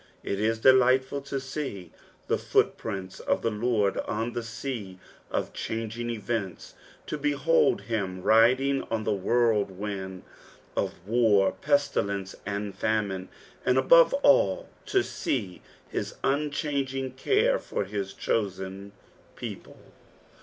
It is delightful to seethe footprints of the Lord on the sea of changing events, to b«h(rid him lidiog on the whirlwind of war, pestilence, and famine, and above all to see his unchanging care for his chosen people.